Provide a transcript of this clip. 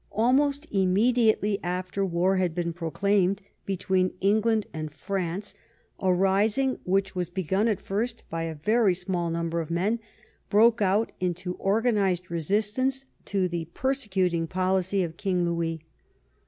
Almost immediately after war had been proclaimed between England and France, a rising, which was be gun at first by a very small number of men, broke out into organized resistance to the persecuting policy of King Louis.